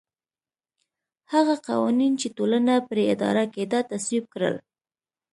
هغه قوانین چې ټولنه پرې اداره کېده تصویب کړل